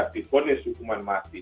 diponis hukuman mahasiswa